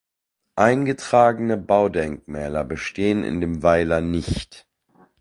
Eingetragene Baudenkmäler bestehen in dem Weiler nicht.